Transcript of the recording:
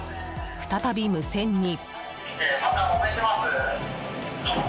再び無線に。